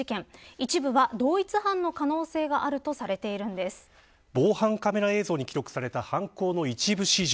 一部は同一犯の可能性が防犯カメラ映像に記録された犯行の一部始終。